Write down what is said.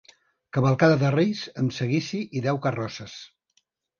Cavalcada de Reis amb seguici i deu carrosses.